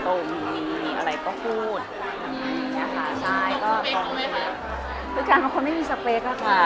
ตรงมีมีอะไรก็พูดมีค่ะใช่ก็ก็คือการเป็นคนไม่มีสเปสอะค่ะ